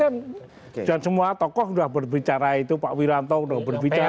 semua tokoh sudah berbicara itu pak wiranto sudah berbicara